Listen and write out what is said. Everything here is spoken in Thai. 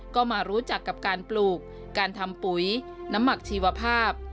ก็มารู้จักกับการปลูกการทำปุ๋ยน้ำหมักชีวภาพ